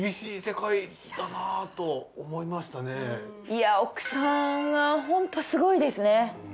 い奥さんがホントすごいですね。